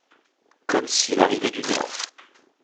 comme s'il arrivait du néant.